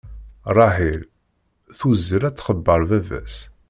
Ṛaḥil tuzzel ad txebbeṛ baba-s.